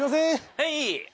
はい。